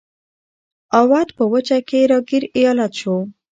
اَوَد په وچه کې را ګیر ایالت شو.